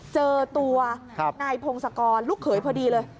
เจอตัวนายพงศกรลูกเขยพอดีเลย